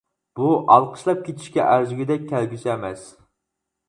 بۇ ئالقىشلاپ كېتىشكە ئەرزىگۈدەك كەلگۈسى ئەمەس.